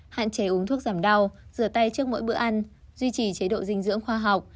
hạn chế uống thuốc giảm đau rửa tay trước mỗi bữa ăn duy trì chế độ dinh dưỡng khoa học